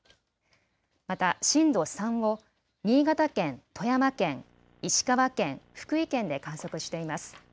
また震度３を新潟県、富山県、石川県、福井県で観測しています。